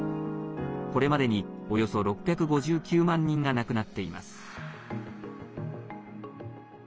これまでに、およそ６５９万人が亡くなっています。